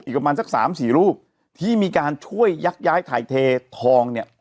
ประมาณสักสามสี่รูปที่มีการช่วยยักย้ายถ่ายเททองเนี่ย